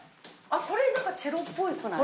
これなんかチェロっぽくない？